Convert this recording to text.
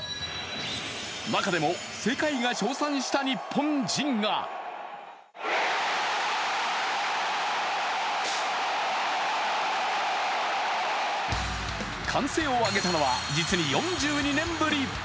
中でも世界が称賛した日本人が歓声を上げたのは実に４２年ぶり。